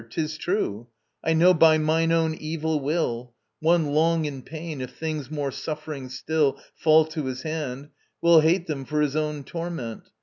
'Tis true: I know by mine own evil will: One long in pain, if things more suffering still Fall to his hand, will hate them for his own Torment